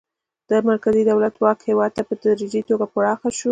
د مرکزي دولت واک هیواد ته په تدریجي توګه پراخه شو.